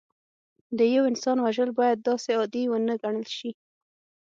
د یو انسان وژل باید داسې عادي ونه ګڼل شي